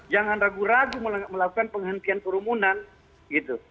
jangan ragu ragu melakukan penghentian kerumunan gitu